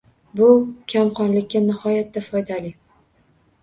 Bu kamqonlikka nihoyatda foydali